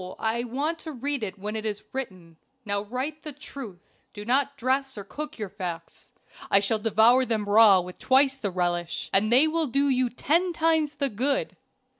I want to read it when it is written. Now write the truth do not dress or cook your facts. I shall devour them raw with twice the relish, and they will do you ten times the good.